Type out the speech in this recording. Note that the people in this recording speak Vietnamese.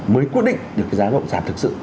mới quyết định được cái giá bất động sản thực sự